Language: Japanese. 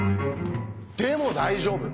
でも大丈夫！